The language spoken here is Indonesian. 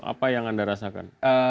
apa yang anda rasakan